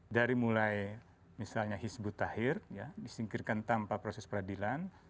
dari mulai misalnya hizb ut tahrir disingkirkan tanpa proses peradilan